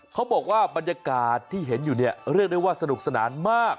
เขาบอกว่าบรรยากาศที่เห็นอยู่เนี่ยเรียกได้ว่าสนุกสนานมาก